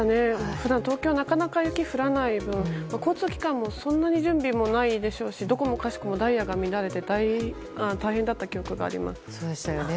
普段、東京はなかなか雪が降らない分交通機関も準備もないでしょうしどこもかしこもダイヤが乱れて大変だった記憶があります。